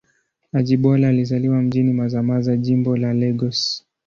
Ajibola alizaliwa mjini Mazamaza, Jimbo la Lagos.